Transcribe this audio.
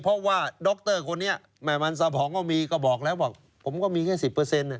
เพราะว่าดรคนนี้แม่มันสะพองก็มีก็บอกแล้วบอกผมก็มีแค่สิบเปอร์เซ็นต์